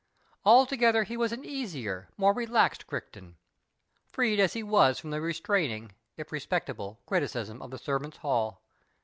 Altogether he was an easier, more relaxed Crichton, freed as he was from tiic restraining, if nspeetful, criticism of the servants' hall.